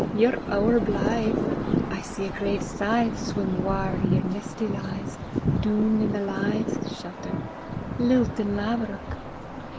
ye're ower blythe: I see a great scythe Swing whaur yer nestie lies, doon i' the lythe, (shelter) Liltin' laverock!